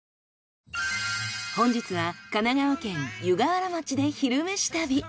本日は神奈川県湯河原町で「昼めし旅」。